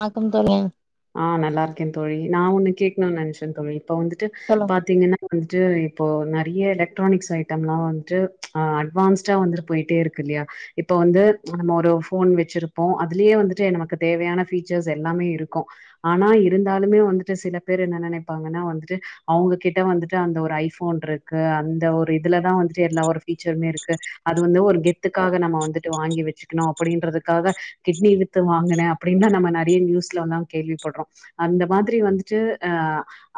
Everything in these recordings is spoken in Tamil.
வணக்கம் தோழி ஆ நல்லா இருக்கே தோழி நா ஒண்ணு கேக்கணுன்னு நெனச்சே தோழி இப்ப வந்துட்டு சொல்லுங்க பாத்தீங்கன்னா வந்துட்டு இப்போ நெறைய எலெக்ட்ரானிக்ஸ் ஐட்டம் எலாம் வந்துட்டு ஆ அட்வான்ஸ்டா வந்துட்டு போயிட்டே இருக்கு இல்லையா இப்ப வந்து நம்ம ஒரு ஃபோன் வச்சிருப்போ அதுலயே வந்துட்டு எனக்கு தேவையான ஃபீச்சர்ஸ் எல்லாமே இருக்கு கு ஆனா இருந்தாலுமே வந்துட்டு சில பேர் என்ன நெனைப்பாங்கன்னா வந்துட்டு அவங்க கிட்ட வந்துட்டு அந்த ஒரு ஐபோன் இருக்கு அந்த ஒரு இதுலதா வந்துட்டு எல்லா ஒரு பீச்சருமே இருக்கு அது வந்து ஒரு கெத்துக்காக நம்ம வந்துட்டு வாங்கி வச்சுக்கணு அப்டின்றதுக்காக கிட்னி வித்து வாங்கினே அப்டின்னு நம்ம நெறைய நியூஸ்ல்லா கேள்விப்பட்றோ அந்த மாதிரி வந்துட்டு அ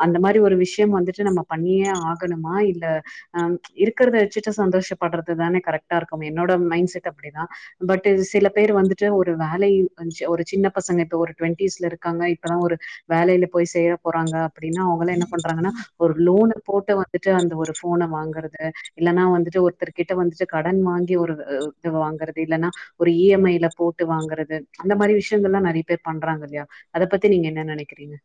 அந்த மாரி ஒரு விஷயம் வந்துட்டு நம்ம பண்ணியே ஆகணுமா இல்ல ஆ இருக்கிறத வச்சுட்டு சந்தோஷப்படுறது தானே கரெக்டா இருக்கும் என்னோட மைண்ட் செட் அப்டிதா பட் இது சில பேர் வந்துட்டு ஒரு வேலை அஞ் ஒரு சின்ன பசங்க இப்ப ஒரு டுவெண்டிஸ்ல இருக் இருக்காங்க இப்பதா ஒரு வேலையில போய் சேரப் போறாங்க அப்டின்னா அவங்கள என்ன பண்றாங்கன்னா ஒரு லோனைப் போட்டு வந்துட்டு அந்த ஒரு ஃபோனை வாங்கறது இல்லன்னா வந்துட்டு ஒருத்தர்கிட்ட வந்துட்டு கடன் வாங்கி ஒரு இத வாங்கறது இல்லன்னா ஒரு இ எம் ஐல போட்டு வாங்கறது அந்த மாரி விஷயங்கள் எல்லா நெறைய பேர் பண்றாங்க இல்லயா அதப் பத்தி நீங்க என்ன நெனைக்கிறீங்க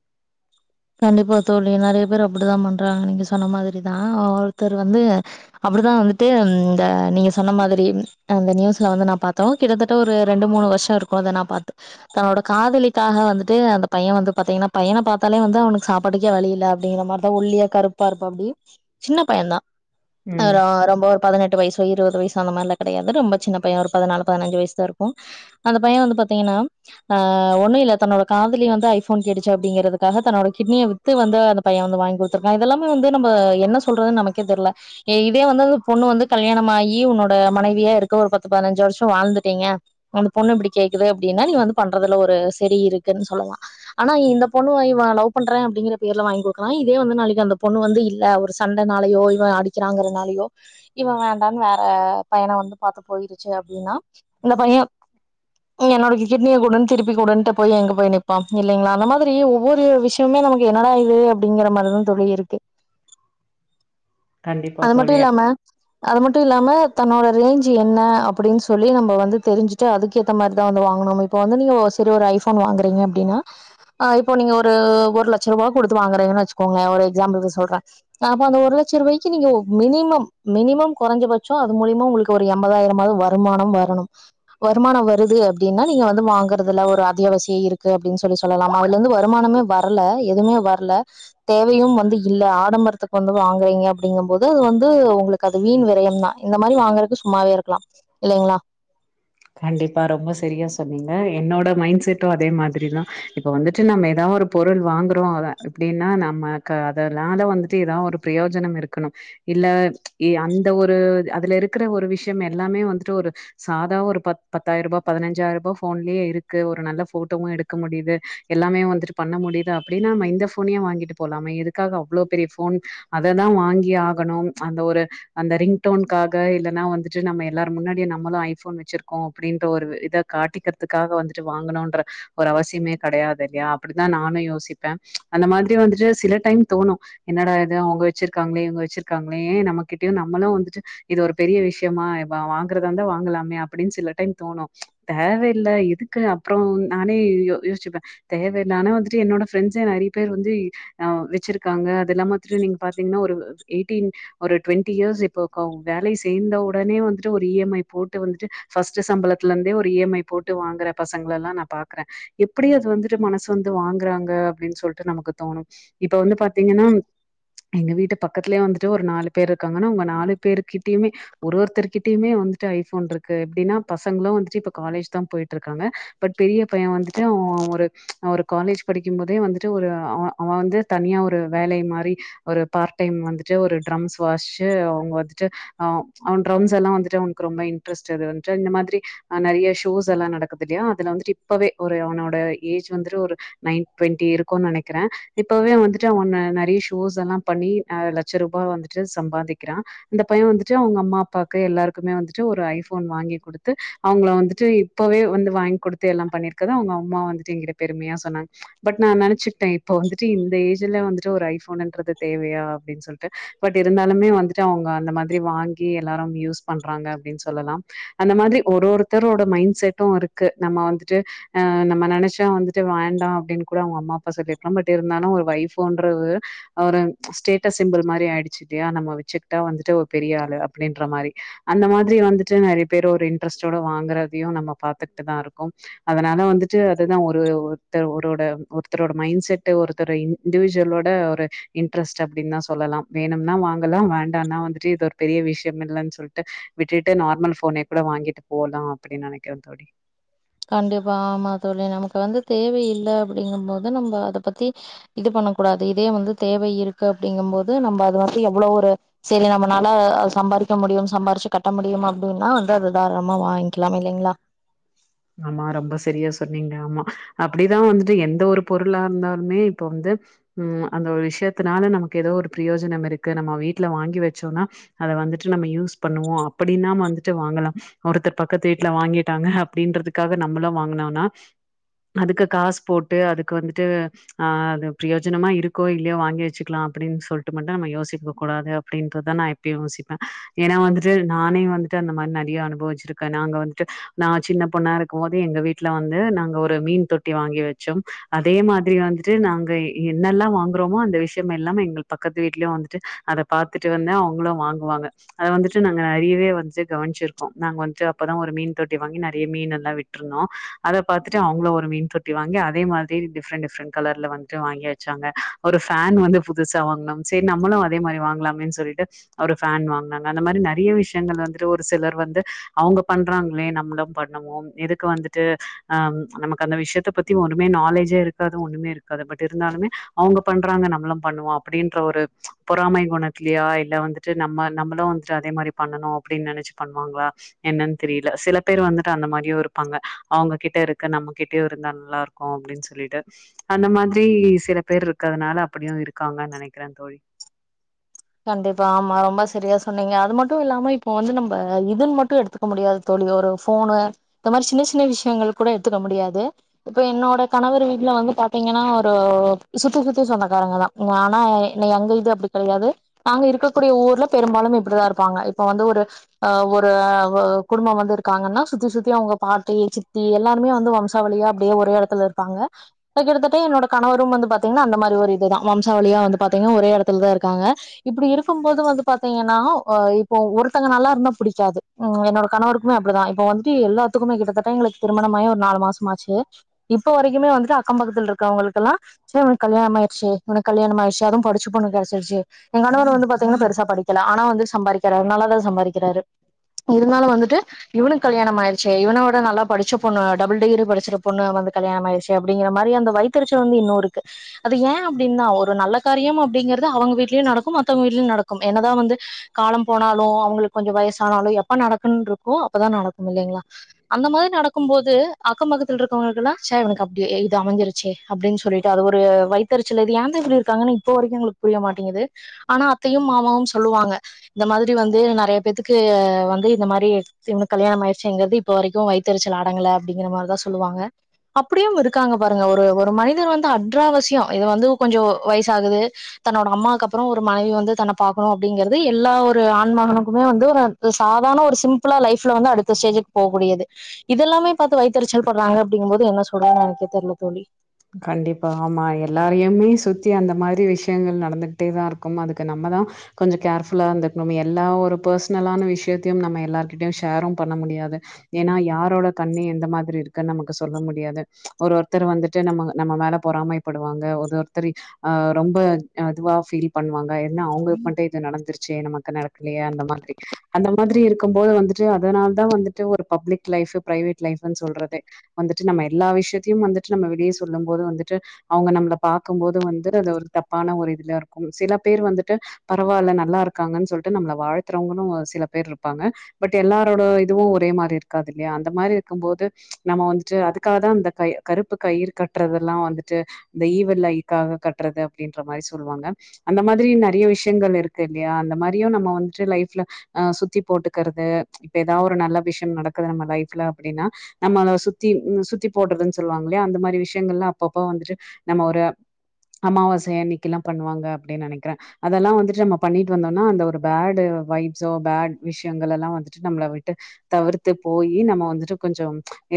கண்டிப்பா தோழி நெறைய பேர் அப்டிதா பண்றாங்க நீங்க சொன்ன மாரிதா ஒருத்தர் வந்து அப்டிதா வந்துட்டு இந்த நீங்க சொன்ன மாதிரி அந்த நியூஸ்ல வந்து நா பாத்தோ கிட்டத்தட்ட ஒரு ரெண்டு மூணு வருஷோ இருக்கு அத நா பாத்து தன்னோட காதலிக்காக வந்துட்டு அந்த பையன் வந்து பாத்தீங்கன்னா பையனை பாத்தாலே வந் து அவனுக்கு சாப்பாட்டுக்கே வழியில்ல அப்டிங்கிற மாரிதா ஒல்லியா கருப்பா இருப்பாப்டி சின்ன பயன் தா ம் ஆ ரொம்ப ஒர் பதனெட்டு வயசோ இருவது வயசு அந்த மாரில கெடையாது ரொம்ப சின்ன பைய ஒரு பதனாலு பதினஞ்சு வயசுதா இருக்கு அந்த பைய வந்து பாத்தீங்கன்னா ஆ ஒண்ணு இல்ல தன்னோட காதலி வந்து ஐபோன் கேடுசசு அப்டிங்கறதுக்காக தன்னோட கிட்னியை வித்து வந்து அந்த பைய வந்து வாங்கி குடுத்துருக்கா இதெல்லாமே வந்து நம்ம என்ன சொல்றதுன்னு நமக்கே தெரில இதே வந்து அந்த பொண்ணு வந்து கல்யாணமாயி உன்னோட மனைவியா இருக்க ஒரு பத்து பதினஞ்சு வருஷோ வாழ்ந்துட்டீங்க அந்த பொண்ணு இப்டி கேக்குது அப்டின்னா நீ வந்து பண்றதுல ஒரு சரி இருக்குன்னு சொல்லலா ஆனா இந்த பொண்ணு வோய் இவ லவ் பண்றே அப்டிங்கி பேர்ல வாங்கி குடுக்கலா இதே வந்து நாளைக்கி அந்த பொண்ணு வந்து இல்ல ஒரு சண்டைனாலையோ இவ அடி வக்கிறாங்கிறதுனாலயோ இவ வேண்டான்னு வேற பையனை வந்து பாத்து போயிருச்சு அப்டின்னா இந்த பைய என்னோட கிட்னிய குடுன்னு திருப்பி குடுன்னட்டு போய் எங்க போய் நிப்பா இல்லங்களா அந்த மாதிரி ஒவ்வொரு விஷ் விஷயமே நமக்கு என்னடா இது அப்டிங்கிற மாரிதா தோழி இருக்கு கண்டிப்பா அது மட்டு தோழி இல்லாம அது மட்டு இல்லாம தன்னோட ரேஞ்ச் என்ன அப்டின்னு சொல்லி நம்ம வந்து தெரிஞ்சு ச்சே அதுக்கு ஏத்த மாரிதா வந்து வாங்கணு நம்ம இப்ப வந்து நீங்க செரி ஒரு ஐபோன் வாங்குறீங்க அப்டின்னா ஆ இப்போ நீங்க ஒரு ஒரு லட்ச ரூபா கொடுத்து வாங்கறீங்கன்னு வச்சுக்கோங்கள ஒரு எக்ஸாம்பிளுக்கு சொல்றே அப்ப அந்த ஒரு லட்ச ரூபாய்க்கு நீங்க மினிமம் மினிமம் கொறைஞ்சபட்சோ அது மூலிமா உங்களுக்கு ஒரு எண்பதாயிரமாது வருமானோ வரணு வருமானோ வருது அப்டின்னா நீங்க வந்து வாங்குறதுல ஒரு அத்தியாவசியோ இருக்கு அப்டின்னு சொல்லி சொல்லலாமா அதுல இருந்து வருமானமே வ வர்ல எதுமே வர்ல தேவையு வந்து இல்ல ஆடம்பரத்துக்கு வந்து வாங்குறீங்க அப்டிங்கம்போது அது வந்து உங்ளுக்கு அது வீண் விரயம்தா இந்த மாரி வாங்குறக்கு சும்மாவே இருக்கலா இல்லைங்ளா கண்டிப்பா ரொம்ப சரியா சொன்னீங்க என்னோட மைண்ட் செட்டு அதே மாதிரிதா இப்ப வந்துட்டு நம்ம எதா ஒரு பொருள் வாங்கறோ அவ இப்படின்னா நம்மக்கு அதனால வந்துட்டு எதாவ் ஒரு பிரியோஜனம் இருக்கணு இல்ல இ அந்த ஒரு அதுல இருக்கற ஒரு விஷயம் எல்லாமே வந்துட்டு ஒரு சாதா ஒரு பத் பத்தாயிரூபா பதினஞ்சாயிரூபா போன்லயே இருக்கு ஒரு நல்ல போட்டோவு எடுக்க முடிது எல்லாமே வந்துட்டு பண்ண முடிதா அப்படின்னாம்ம இந்த போனையே வாங்கிட்டு போலாமே எதுக்காக அவ்வளோ பெரிய போன் அததா வாங்கி ஆகணும் அந்த ஒரு அந்த ரிங் டோன்க்காக இல்லன்னா வந்துட்டு நம்ம எல்லாரு முன்னாடியூ நம்மளு ஐபோன் வெச்சிர் கோ அப்படின்ற ஒரு இத காட்டிக்கறதுக்காக வந்துட்டு வாங்குனோன்ற ஒரு அவசியமே கெடையாது இல்லயா அப்படிதா நானு யோசிப்பே அந்த மாதிரி வந்துட்டு சில டைம் தோணு என்னடா இது அவுங்க வெச்சிருக்காங்களே இவங்க வெச்சிருக்காங்களே நம்மகிட்டயு நம்மளு வந்துட்டு இது ஒரு பெரிய விஷயமா வ வாங்கறதா இருந்தா வாங்கலாமே அப்படின் சில டைம் தோணு தேவயில்ல எதுக்கு அப்பறோ நானே யோ யோஸ்சிப்ப தேவ நானா வந்துட்டு என்னோட ஃப்ரன்ஸே நறிய பேர் வந்து ஆ வெச்சிருக்காங்க அதுயில்லாம [unintelligible] பாத்திங்கன்னா ஒரு எயிட்டீன் ஒரு டுவெண்ட்டி இயர்ஸ் இப்போக்கோ வேலை சேர்ந்த உடனே வந்துட்டு ஒரு இ எம் ஐ போட்டு வந்துட்டு ஃபஸ்ட்டு சம்பளத்தல இருந்தே ஒரு இ எம் ஐ போட்டு வாங்குற பசங்கலல்லா நா பாக்குறே எப்டி அது வந்துட்டு மனசு வந்து வாங்குறாங்க அப்டின் சொல்லிட்டு நமக்கு தோணு இப்ப வந்து பாத்தீங்கன்னா எங்க வீட்டு பக்கத்துலேயே வந்துட்டு ஒரு நாலு பேர் இருக்காங்கன்னா அவுங்க நாலு பேரு கிட்டயுமே ஒரு ஒருத்தர்கிட்டயுமே வந்துட்டு ஐஃபோன்ருக்கு கு எப்டின்னா பசங்களு வந்துட்டு இப்ப காலேஜ் தா போயிட்ருக்காங்க பட் பெரிய பையே வந்துட்டு அவெ ஒரு ஒரு காலேஜ் படிக்கும் போதே வந்துட்டு ஒரு அவ அவெ வந்து தனியா ஒரு வேலை மாரி ஒரு பார்ட் டைம் வந்துட்டு ஒரு ட்ரம்ஸ் வாஷ்ச்சு அவுங்க வந்துட்டு ஆ அவெ ட்ரம்ஸ்ஸல்லா வந்துட்டு அவனுக்கு ரொம்ப இன்ட்ரெஸ்ட் அது வந்துட்டு இந்த மாதிரி அ நெறைய ஷோஸ்ஸல்லா நடக்குது இல்லையா அதுல வந்துட்டு இப்பவே ஒரு அவனோட ஏஜ் வந்துட்டு ஒரு நைன் டுவெண்டி இருக்குன் நெனைக்கிறே இப்பவே வந்துட்டு அவெ ந நெறைய ஷோஸ் எல்லா பண்ணி அ லட்ச ரூபா வந்துட்டு சம்பாதிக்கிறா இந்த பையே வந்துட்டு அவங்க அம்மா அப்பாக்கு எல்லாருக்குமே வந்துட்டு ஒரு ஐ ஃபோன் வாங்கி குடு குடுத்து அவுங்கள வந்துட்டு இப்பவே வந்து வாங்கி குடுத்து எல்லா பண்ணிருக்கத அவுங்க அம்மா வந்துட்டு எங்கிட்ட பெருமையா சொன்னாங்க பட் நா நெனச்சுகிட்டே இப்ப வந்துட்டு இந்த ஏஜ்ல வந்துட்டு ஒரு ஐஃபோனுன்றது தேவையா அப்டின் சொல் டு பட் இருந்தாலுமே வந்துட்டு அவுங்க அந்த மாதிரி வாங்கி எல்லாரும் யூஸ் பண்றாங்க அப்டின்னு சொல்லலாம் அந்த மாதிரி ஒரு ஒருத்தரோட மைண்ட் செட்டு இருக்கு நம்ம வந்துட்டு ஆ நம்ம நெனைச்சா வந்துட்டு வேண்டா அப்டின் கூட அவுங்க அம்மா அப்பா சொல்லிருக்கலா பட் இருந்தாலு ஒரு ஒய்ஃபோன்றது ஒரு ஸ்டேட்டஸ் சிம்பள் மாரி ஆய்டுச்சு இல்லயா நம்ம வச்சுக்கிட்டா வந்துட்டு ஒரு பெரிய ஆளு அப்டின்ற மாரி அந்த மாதிரி வந்துட்டு நேறைய பேர் ஒரு இன்ட்ரெஸ்ட்டோட வாங்குறதையு நம்ம பாத்துக்கிட்டு தா இருக்கோம் அதுனால வந்துட்டு அதுதா ஒரு ஒருத்த ஒரோட ஒருத்தரோட மைண்ட் செட் ஒருத்தரு இன் இண்டுவிஜுவலோட ஒரு இன்ட்ரஸ்ட் அப்டின் தா சொல்லலாம் வேணும்னா வாங்கலா வேண்டானா வந்துட்டு இது ஒரு பெரிய விஷ்யம் இல்லன் சொல்ட்டு விட்டுட்டு நார்மல் ஃபோனே கூட வாங்கிட்டு போலா அப்டின் நேனைக்கிறே தோழி கண்டிப்பா ஆமா தோழி நமக்கு வந்து தேவையில்ல அப்படிங்கும் போது நம்ம அத பத்தி இது பண்ண கூடாது இதே வந்து தேவை இருக்கு அப்டிங்கு போது நம்ம அது வந்து எவ்ளோ ஒரு சேரி நம்மனால சம்பாரிக்க முடியும் சம்பாரிச்சு கட்ட முடியும் அப்படின்னா வந்து அத தாராளமா வாங்கிக்கலாம் இல்லிங்களா ஆமா ரொம்ப சரியா சொன்னீங்க ஆமா அப்டிதா வந்துட்டு எந்த ஒரு பொருளா இருந்தாலுமே இப்ப வந்து ம் அந்த ஒரு விஷயத்துனால நமக்கு எதோ ஒரு பிரயோஜனம் இருக்கு நம்ம வீட்ல வாங்கி வச்சோனா அத வந்துட்டு நம்ம யூஸ் பண்ணுவோ அப்படின்னா நம் வந்துட்டு வாங்கலா ஒருத்தர் பக்கத்து வீட்ல வாங்கிட்டாங்க அப்டின்றதுக்காக நம்மளு வாங்னோனா அதுக்கு காசு போட்டு அதுக்கு வந்துட்டு ஆ அது பிரோயஜனமா இருக்கோ இல்லயோ வாங்கி வச்சுக்கலா அப்டின்னு சொல்லிட்டு மட்டு நம்ம யோசிக்க கூடாது அப்படின்றதுதா நா இப் யும் யோசிப்பே ஏனா வந்துட்டு நானே வந்துட்டு அந்த மாரி நறையா அனுபவிச்சிருக்கே நாங்க வந்துட்டு நா சின்ன பொண்ணா இருக்கும்போது எங்க வீட்ல வந்து நாங்க ஒரு மீன் தொட்டி வாங்கி வச்சோ அதே மாதிரி வந் ட்டு நாங்க என்னெல்லா வாங்குறோமோ அந்த விஷயம் எல்லாம் எங்கள் பக்கத்து வீட்லயு வந்துட்டு அத பாத்துட்டு வந்தே அவுங்களு வாங்குவாங்க அது வந்துட்டு நாங்க ஈவே வன்ச்சு கவனிச்சிருக்கோ நாங்க வந்துட்டு அப்பதா ஒரு மீன் தொட்டி வாங்கி ந றைய மீனல்லா விட்ருந்தோ அத பாத்துட்டு அவுங்களு ஒரு மீன் தொட்டி வாங்கி அதே மாதிரி டிஃபரண்ட் டிஃபரண்ட் கலர்ல வாங் வாங்கி வச்சாங்க ஒரு ஃபேன் வந்து புதுசா வாங்னோ சேரி நம்மளு அதே மாரி வாங்கலாமே சொல்லிட்டு ஒரு ஃபேன் வாங்னாங்க அந்த மாரி நறைய விஷயங்கள் வந்துட்டு ஒரு சிலர் வந்து அவுங்க பண்றாங்களே நம்மளு பன் னுவோம் எதுக்கு வந்துட்டு ஆ நமக்கு அந்த விஷயத்த பத்தி ஒனுமே நாலேஜே இருக்காது ஒண்ணுமே இருக் அது பட் இருந்தாலுமே அவுங்க பண்றாங்க நம்மளு பண்ணுவோ அப்டின்ற ஒரு பொறாம கொணத்லியா இல்ல வந்து ட்டு நம்ம நம்மளு வந்துட்டு அதே மாரி பண்ணனு அப்டின்னு நெனச்சு பண்ணுவாங்களா என்னன்னு தெரியில சில பேரு வந்துட் டு அந்த மாரியு இருப்பாங்க அவுங்ககிட்ட இருக்கு நம்மகிட்டயு இருந்தா நல்லா இருக்கு அப்டின்னு சொல்லிட்டு அந்த மாதிரி சில பேரு இருக்கதுனால அப்டியு இருக்காங்க நெனைக்கிறே தோழி கண்டிப்பா ஆமா ரொம்ப சரியா சொன்னீங்க அது மட்டு இல்லாம இப்போ வந்து நம்ப இதுன்னு மட்டு எடுத்துக் க முடியாது தோழி ஒரு ஃபோனு இந்த மாரி சின்ன சின்ன விஷயங்கள் கூட எடுத்துக்க முடியாது இப்ப என்னோட கணவர் வீட்ல வந்து பாத்தீங்கனா ஒரு சுத்தி சுத்தி சொந்தக்காரங்கதா ஆனா என்ன எங்க வீட்ல அப்டி கெடையாது நாங்க இருக்கக்கூடிய ஊர்ல பெரும்பாலும் இப்படிதா இருப்பாங்க இப்ப வந்து ஒரு அ ஒரு குடும்பம் வந்து இருக்காங்கன்னா சுத்தி சுத்தி அவுங்க பாட்டி சித்தி எல்லாருமே வந்து வம் வம்சா வலியா அப்டியே ஒரே எடத்துல இருப்பாங்க இப்ப கிட்டத்தட்ட என்னோட கணவரு வந்து பாத்தீங்னா அந்த மாரி ஒரு இதுதா வம்சாவலியா வந்து பாத்தீங்னா ஒரே எடத்துலதா இருக்காங்க இப்டி இருக்கும் போது வந்து பாத்தீங்கன்னா அ இப்போ ஒருத்தங்க நல்லா இருந்தா புடிக்காது ம் என்னோட கணவர் அப்டிதா இப்போ வந்துட்டு எல்லாத்துக்குமே கிட்டதட்ட எங்களுக்கு திருமணமாயி ஒரு நாலு மாசமாச்சு இப்ப வரைக்குமே வந்துட்டு அக்கம்ம்பக்கத்துல இருக்கவங்களுக்கெல்லா ச்ச இவனுக்கு கல்யாணமாயிற்ச்சி இவன்கு கல்யாணமாயிற்ச்சி அதும் படிச்ச பொண்ணு கெடைச்சிருச்சு என் கணவர் வந்து பாத்தீங்னா பெருசா படிக்கல ஆனா வந்து சம்பாரிக்கறாரு நல்லாதா சம்பாரிக்கிறாரு இருந்தாலு வந்துட்டு இவனுக்கு கல்யாணம் ஆயிடுச்சே இவனோட நல்லா படிச்ச பொண்ணு டபுள் டிகிரி படிச்சுருக் பொண்ணு வந்து கல்யாணமாயிற்ச்சே அப்டிங்கிற மாரி அந்த வைத்தறிச்ச வந்து இன்னு இருக்கு அது ஏ அப்டின்தா ஒரு நல்ல காரியம் அப்டிங்கறது அவங்க வீட் மத்தவுங்க வீட்லயு நடக்கு என்னதா வந்து காலம் போனாலு அவுங்களுக்கு கொஞ்சோ வயசானாலு எப்ப நடக்கனுன்னு இருக்கோ அப்பதா நடக்கு இல்லைங்ளா அந்த மாரி நடக்கும் போது அக்கம்பக்கத்துல இருக்கிறவுங்களுகெல்லா ச்ச இவனுக்கு அப்டியே இது அமஞ்சிருச் சே அப்டின்னு சொல்லிட்டு அது ஒரு வைத்தறிச்சல்து ஏன்தா இப்டி இருக்காங்கன்னு இப்ப வரைக்கும் எங்களுக்கு புரியமாட் ஆனா அத்தையு மாமாவு சொல்வாங்க இந்த மாதிரி வந்து நெறைய பேத்துக்கு வந்து இந்த மாரி இவனுக்கு கல்யாணமாயிற்ச்சேங்கிறது இப்ப வரைக்கு வைத்தரிச்சல் அடங்கல அப்டிங்ற மாரிதா சொல்லுவாங்க அப்டியு இருக்காங்க பாருங்க ஒரு ஒரு மனிதர் வந்து அட்ராவசியோ இது வந்து கொஞ்சோ வயசாகுது தன்னோட அம்மாக்கப் றோ ஒரு மனைவி வந்து தன்ன பாக்கணு அப்டிங்கிறது எல்லா ஒரு ஆன்மகனுக்குமே வந்து ஒரு சாதாரண ஒரு சிம் பிலா லைஃப்ல வந்து அடுத்த ஸ்டேஜுக்கு போ முடியாது இதெல்லாமே பாத்து வைத்தறிச்சல் பட்றாங்க அப்படிங்கும் போது என்ன சொல்றனு எனக்கே தெர்ல தோழி கண்டிப்பா ஆமா எல்லாரையுமே சுத்தி அந்த இந்த மாரி விஷயங்கள் நடந்துகிட்டே தா இருக்கும் அதுக்கு நம்ம தா கொஞ்சோ கேர்ஃபுல்லாந்துக்ணு எல்லா ஒரு பர்சனலான விஷ்யத்யு நம்ம எல்லார்கிட்டயு ஷேரும் பண்ண முடியாது ஏனா யாரோட கண்ணு எந்த மாதிரி இருக்குன்னு நமக்கு சொல்ல முடியாது ஒரு ஒருத்தர் வந்துட்டு நம்ம நம்ம மேல பொறமைப் படுவாங்க ஒரு ஒருத்தரு ரொம்ப இதுவா ஃபீல் பண்ணுவாங்க என்ன அவுங்ளுக்கு மட்டு இது நடந்துருச்சே நமக்கு நடக்கலயே அந்த மாதிரி அந்த மாதிரி இருக்கும் போது வந்துட்டு அதனால தா வந்துட்டு ஒரு பப்ளிக் லைஃப் பிரைவேட் லைஃப்ன்னு சொல்றதே வந்துட்டு நம்ம எல்லா விஷ்யத்யு வந்துட்டு நம்ம வெளிய சொல்லும் போது வந்துட்டு அவுங்க நம்ள பாக்கும்போது வந் அது ஒரு தப்பான ஒரு இதுலயா இருக்கும் சில பேர் வந்துட்டு பரவால நல்லா இருக்காங்கன் சொல்ட்டு நம்மள வாழ்த்தறவங்கலு சில பேர் இருப்பாங்க பட் எல்லாரோட இதுவும் ஒரே மாரி இருக்காது இல்லயா அந்த மாரி இருக்கும் போது நம்ம வந்துட்டு அதுக்காகதா அந்த கை கருப்பு கயிறு கட்றதல்லா வந்துட்டு இந்த ஈவுல் ஐக்காக கட்றது அப்டின்ற மாரி சொல்வாங்க அந்த மாதிரி நெறய விஷ்யங்கள் இருக்கு இல்லயா அந்த மாரியு நம்ம வந்துட்டு லைஃப்ல ஆ சுத்தி போட்டுக்கறது இப்ப எதா ஒரு நல்ல விஷ்யம் நடக்குது நம்ம லைஃப்ல அப்டின்னா நம்மள சுத்தி சுத்தி போட்றதுன் சொல்வாங்ல்யா அந்த மாரி விஷ்யங்கள்லா அப்பப்ப வந்துட்டு நம்ம ஒரு அம்மாவாசை அன்னிகிளா பண்ணுவாங்க அப்டின்னு நெனைக்கற அதல்லா வந்துட்டு நம்ம பண்ணிட்டு வந்தோம்னா அந்த ஒரு பேட் வைப்ஸோ பேட் விஷயங்கள் எல்லா வந்துட்டு நம்மள விட்டு தவிர்த்து போயி நம்ம வந்துட்டு கொஞ்சோ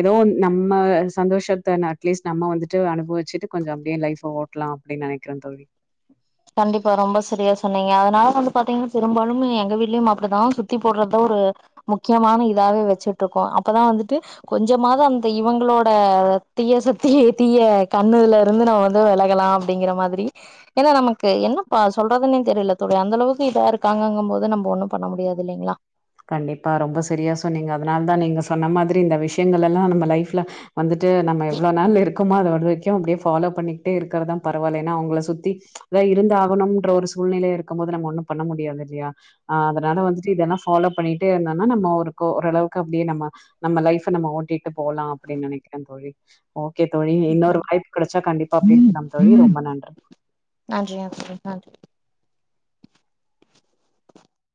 எதோ நம்ம சந்தோஷத்த அட்லீஸ்ட் நம்ம வந்துட்டு அனுபவச்சுட்டு கொஞ்ச அப்டியே லைஃப் ஓட் இருக்கால அப்டி நெனைக்கற தோழி கண்டிப்பா ரொம்ப சரியா சொன்னீங்க அதனால வந்து பாத்தீங்கனா பெரும்பாலும் எங்க வீட்லையு அப்டிதா சுத்தி போட்றது ஒரு முக்கியமான இதாவே வச்சுட்டு இருக்கோ அப்தா வந்துட்டு கொஞ்சமாது அந்த இவங்களோட தீய சத்தி தீய கண்ணுல இருந்து நம்ம வந்து விலகலா அப்டிங்கற மாதிரி ஏன்னா நமக்கு ஓகே என்னப்பா சொல்றதுன்னே தெரில தோழி அந்த அளவுக்கு இதா இருக்காங்கம் போது நம்ம ஒண்ணு பண்ண முடியாது இல்லைங்களா கண்டிப்பா ரொம்ப சரியா சொன்னீங்க அதனாலதா நீங்க சொன்ன மாதிரி இந்த விஷயங்கள்லெல்லா நம்ம லைஃப்லா வந்துட்டு நம்ம எவ்ளோ நாள் இருக்குமோ அதுவரைக்கு அப்டியே ஃபாலோ பண்ணிக்ட்டே இருக்கறதா பரவால ஏன்னா அவுங்குள சுத்தி அதா இருந்து ஆகணும்ன்ற ஒரு சூழ்நிலை இருக்கும் போது நம்ம ஒண்ணு பண்ண முடியாது இல்லையா ஆ அதனால வந்துட்டு இதல்லா ஃபாலோ பண்ணிட்டே இருந்தோனா நம்ம ஒரு ஓரளவுக்கு அப்டியே நம்ம நம்ம லைஃப்ப நம்ம ஓட்டிட்டு போலா அப்டின்னு நெனைக்கற தோழி ஓக்கே தோழி இன்னொரு வாய்ப்பு கெடச்சா கண்டிப்பா பேஸ்லாம் தோழி ரொம்ப நன்றி நன்றி நன்றி நன்றி